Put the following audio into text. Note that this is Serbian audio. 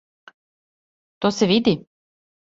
То се види?